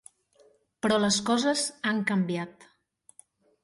Però les coses han canviat.